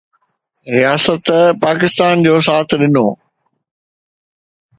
رياست پاڪستان جو ساٿ ڏنو